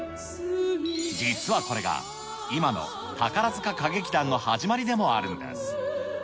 実はこれが、今の宝塚歌劇団の始まりでもあるんです。